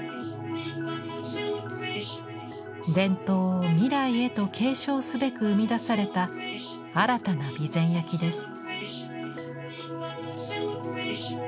伝統を未来へと継承すべく生み出された新たな備前焼です。